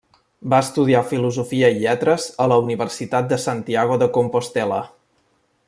Va estudiar Filosofia i Lletres a la Universitat de Santiago de Compostel·la.